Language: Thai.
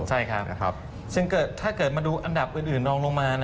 ใช่ครับซึ่งถ้าเกิดมาดูอันดับอื่นลองลงมา